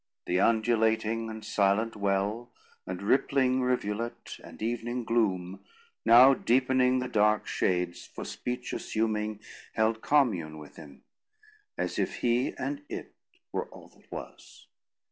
The undulating and silent well, And rippling rivulet, and evening gloom, Now deepening the dark shades, for speech assuming, Held commune with him; as if he and it Were all that was."